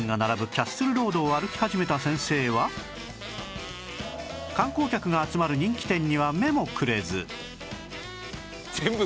キャッスルロードを歩き始めた先生は観光客が集まる人気店には目もくれず